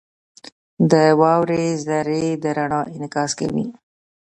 • د واورې ذرې د رڼا انعکاس کوي.